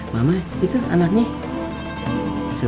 mama itu anakku